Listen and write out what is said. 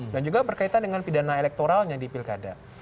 dan juga berkaitan dengan pidana elektoralnya di pilkada